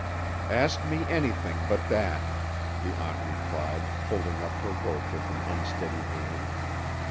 "Ask me anything but that," the aunt replied, folding up her work with an unsteady hand.